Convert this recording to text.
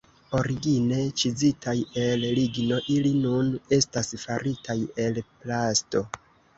Origine ĉizitaj el ligno, ili nun estas faritaj el plasto.